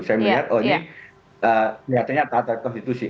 saya melihat oh ini kelihatannya kata kata konstitusi